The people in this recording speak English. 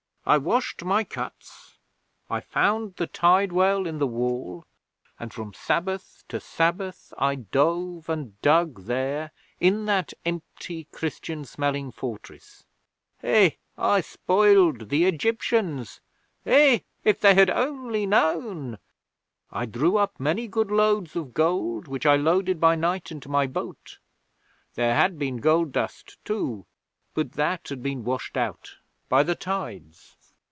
I washed my cuts. I found the tide well in the wall, and from Sabbath to Sabbath I dove and dug there in that empty, Christian smelling fortress. Hé! I spoiled the Egyptians! Hé! If they had only known! I drew up many good loads of gold, which I loaded by night into my boat. There had been gold dust too, but that had been washed out by the tides.'